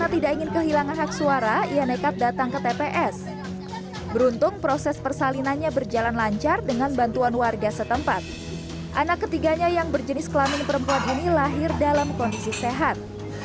anak ketiganya yang berjenis kelamin perempuan ini lahir dalam kondisi sehat